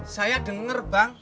saya denger bang